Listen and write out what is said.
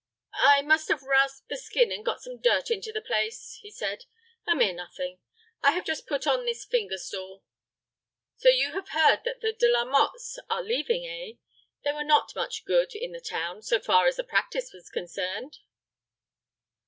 "I must have rasped the skin and got some dirt into the place," he said. "A mere nothing. I have just put on this finger stall. So you have heard that the De la Mottes are leaving, eh? They were not much good in the town, so far as the practice was concerned?"